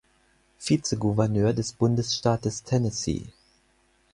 Vizegouverneur des Bundesstaates Tennessee.